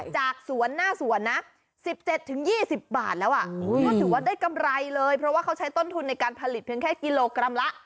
จากสวนหน้าสวนน่ะสิบเจ็ดถึงยี่สิบบาทแล้วอ่ะอุ่มฮูก็ถือว่าได้กำไรเลยเพราะว่าเขาใช้ต้นทุนในการผลิตเพียงแค่กิโลกรัมละ